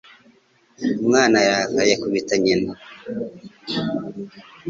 Umwana yararakaye akubita nyina.